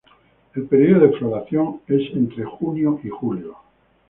El período de floración es de junio a julio.